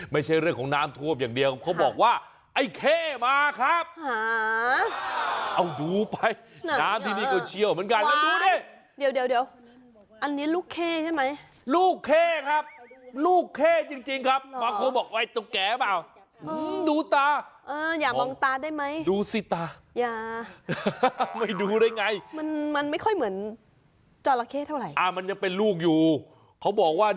ไม่ใช่เรื่องของน้ำทวบอย่างเดียวเขาบอกว่า